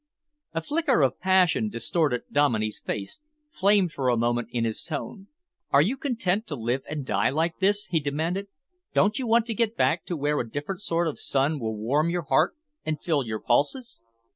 A flicker of passion distorted Dominey's face, flamed for a moment in his tone. "Are you content to live and die like this?" he demanded. "Don't you want to get back to where a different sort of sun will warm your heart and fill your pulses?